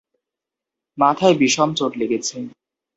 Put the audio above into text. মাথায় বিষম চোট লেগেছে।